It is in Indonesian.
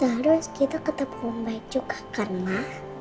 terus kita ketemu baik juga kan mah